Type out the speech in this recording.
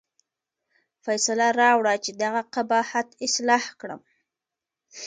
فیصله راوړه چې دغه قباحت اصلاح کړم.